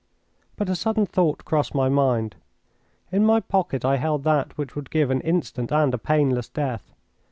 But a sudden thought crossed my mind. In my pocket I held that which would give an instant and a painless death.